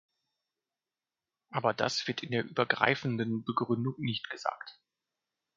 Aber das wird in der übergreifenden Begründung nicht gesagt.